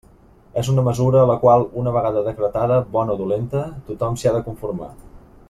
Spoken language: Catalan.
És una mesura a la qual, una vegada decretada, bona o dolenta, tothom s'hi ha de conformar.